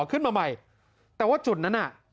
ขึ้นมาใหม่แต่ว่าจุดนั้นน่ะ